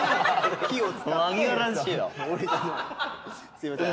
すいません。